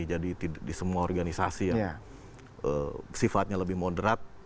jadi di semua organisasi yang sifatnya lebih moderat